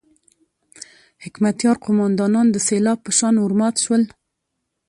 حکمتیار قوماندانان د سېلاب په شان ورمات شول.